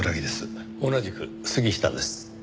同じく杉下です。